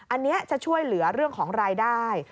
อันนี้จะช่วยเหลือเรื่องของรายได้